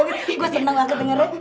agak dua gue seneng gak kedengaran